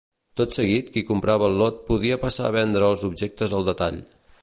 Tot seguit qui comprava el lot podia passar a vendre els objectes al detall.